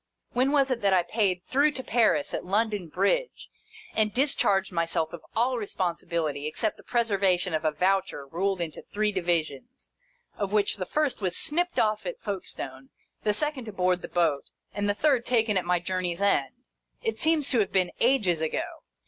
When was it that I paid " through to Paris " at London Bridge, and discharged myself of all responsibility, except the pre servation of a voucher ruled into three divisions, of which the first was snipped off at Folkestone, the second aboard the boat, and the third taken at my journey's end 1 It seems to have been ages ago.